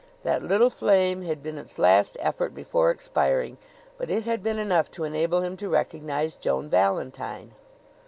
That little flame had been its last effort before expiring, but it had been enough to enable him to recognize Joan Valentine.